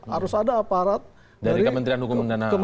harus ada aparat dari kementerian hukum dan ham